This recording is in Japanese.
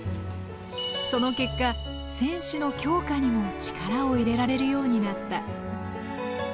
その結果選手の強化にも力を入れられるようになった。